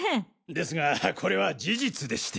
ですがこれは事実でして。